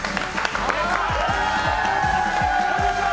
こんにちは！